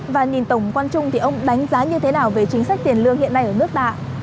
và nhìn tổng quan chung thì ông đánh giá như thế nào về chính sách tiền lương hiện nay ở nước ta